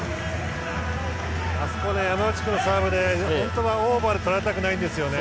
山内君のサーブで本当はオーバーでとられたくないんですよね。